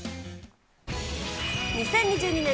２０２２年